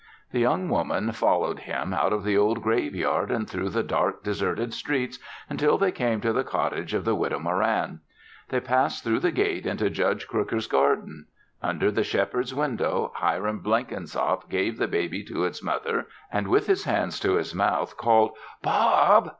The young woman followed him out of the old graveyard and through the dark, deserted streets until they came to the cottage of the Widow Moran. They passed through the gate into Judge Crooker's garden. Under the Shepherd's window, Hiram Blenkinsop gave the baby to its mother and with his hands to his mouth called "Bob!"